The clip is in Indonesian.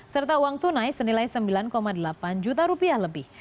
serta uang tunai senilai sembilan delapan juta rupiah lebih